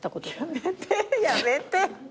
やめてやめて。